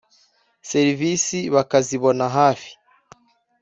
serivisi bakazibona hafi